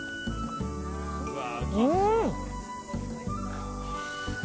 うん！